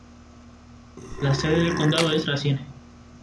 La sede del condado es Racine.